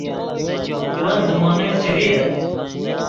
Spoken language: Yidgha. ون زیمونے چے ڤییت